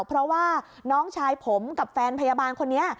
เพราะว่าน้องชายผมกับแฟนพยาบาลคนนี้